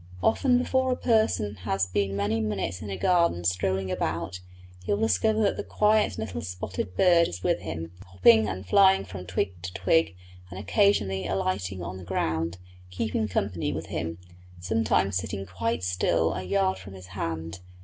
Often before a person has been many minutes in a garden strolling about, he will discover that the quiet little spotted bird is with him, hopping and flying from twig to twig and occasionally alighting on the ground, keeping company with him, sometimes sitting quite still a yard from his hand.